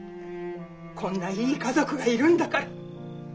こんないい家族がいるんだから。